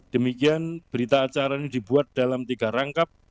demikian berita acara ini dibuat dalam tiga rangkap